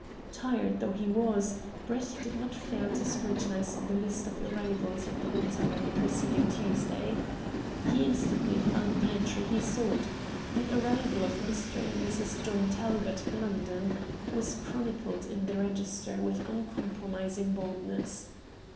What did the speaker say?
Tired though he was, Brett did not fail to scrutinize the list of arrivals at the hotel on the preceding Tuesday. He instantly found the entry he sought. The arrival of "Mr. and Mrs. John Talbot, London," was chronicled in the register with uncompromising boldness.